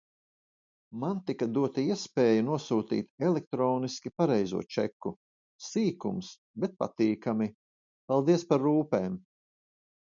Man tika dota iespēja nosūtīt elektroniski pareizo čeku. Sīkums, bet patīkami! Paldies par rūpēm!